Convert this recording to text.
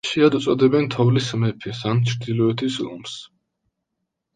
ხშირად უწოდებენ „თოვლის მეფეს“ ან „ჩრდილოეთის ლომს“.